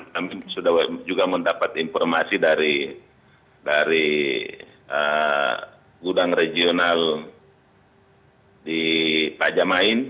kami sudah juga mendapat informasi dari gudang regional di pajamain